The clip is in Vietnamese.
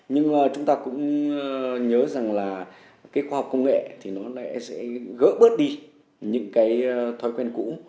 nhưng chúng ta cũng nhớ rằng là cái khoa học công nghệ thì nó lại sẽ gỡ bớt đi những cái thói quen cũ